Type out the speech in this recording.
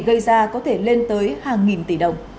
gây ra có thể lên tới hàng nghìn tỷ đồng